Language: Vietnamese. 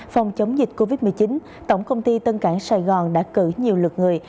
phòng chống dịch covid một mươi chín tổng công ty tân cảng sài gòn đã cử nhiều lực người